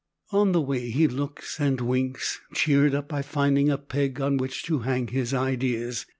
On the way, he looks and winks, cheered up by finding a peg on which to hang his ideas.